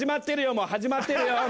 もう始まってるよ。